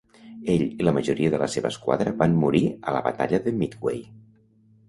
Ell i la majoria de la seva esquadra van morir a la batalla de Midway.